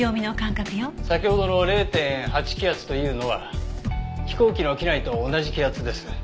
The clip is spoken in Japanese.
先ほどの０．８気圧というのは飛行機の機内と同じ気圧です。